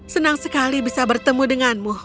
senang sekali bisa bertemu denganmu